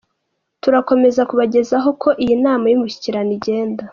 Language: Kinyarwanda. Turakomeza kubagezaho uko iy’ Inama y’Umushyikirano igenda…..